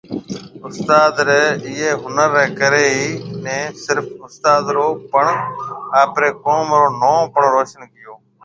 استاد ري ايئي ھنر ري ڪري ني صرف استاد رو پڻ آپري قوم رو نون پڻ روشن ڪيئو